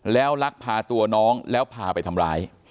แล้วลักพาตัวน้องแล้วพาไปทำร้าย